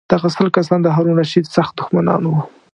دغه سل کسان د هارون الرشید سخت دښمنان وو.